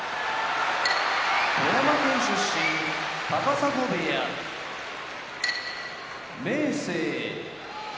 富山県出身高砂部屋明生